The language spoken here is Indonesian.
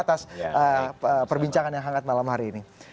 atas perbincangan yang hangat malam hari ini